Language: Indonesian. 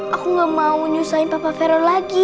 aku gak mau nyusahin papa fero